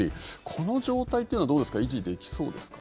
この状態というのはどうですか維持できそうですか。